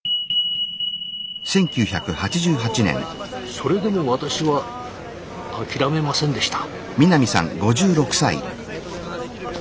それでも私は諦めませんでした。